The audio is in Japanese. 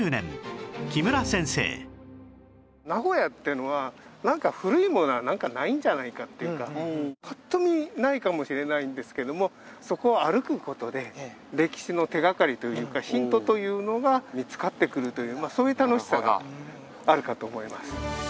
名古屋っていうのは古いものはないんじゃないかっていうかパッと見ないかもしれないんですけどもそこを歩く事で歴史の手掛かりというかヒントというのが見つかってくるというそういう楽しさがあるかと思います。